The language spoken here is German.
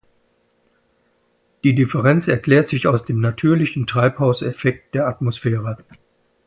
Die Differenz erklärt sich aus dem natürlichen Treibhauseffekt der Atmosphäre.